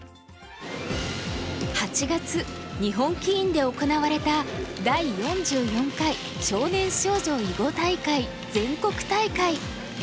８月日本棋院で行われた第４４回少年少女囲碁大会全国大会。